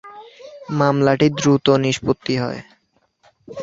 মামলাটি দ্রুত নিষ্পত্তি হয়।